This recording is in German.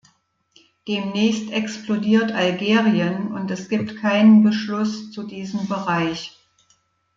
Demnächst explodiert Algerien und es gibt keinen Beschluss zu diesem Bereich.